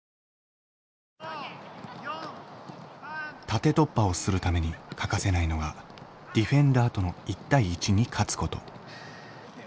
縦突破をするために欠かせないのがディフェンダーとの１対１に勝つこと。